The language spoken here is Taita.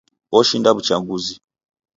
Oshinda w'uchaguzi.